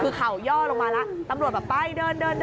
คือเข่าย่อลงมาแล้วตำรวจแบบไปเดินเดิน